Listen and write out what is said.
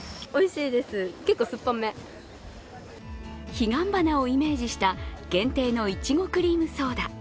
彼岸花をイメージした限定のいちごクリームソーダ。